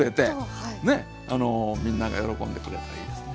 ねあのみんなが喜んでくれたらいいですね。